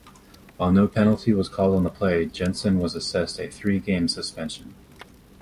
While no penalty was called on the play, Janssen was assessed a three-game suspension.